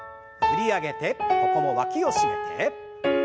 振り上げてここもわきを締めて。